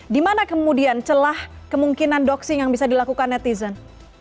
di mana kemudian celah kemungkinan doxing yang bisa dilakukan netizen